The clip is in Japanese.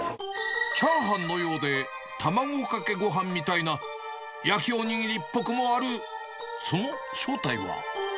チャーハンのようで、卵かけごはんみたいな、焼きお握りっぽくもあるその正体は。